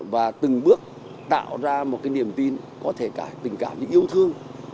và từng bước tạo ra một niềm tin có thể cả tình cảm những yêu thương